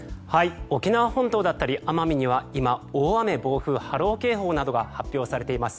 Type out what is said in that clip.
沖縄本島だったり奄美には今、大雨・暴風・波浪警報などが発表されています。